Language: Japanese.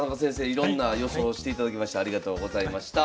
いろんな予想をしていただきましてありがとうございました。